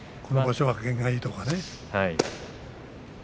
この場所は験がいいとかね。